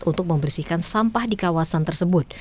untuk membersihkan sampah di kawasan tersebut